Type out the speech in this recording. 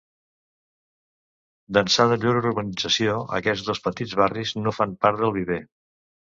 D'ençà de llur urbanització, aquests dos petits barris no fan part del Viver.